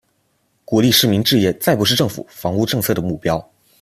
鼓励市民置业再不是政府房屋政策的目标。